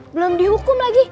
belum dihukum lagi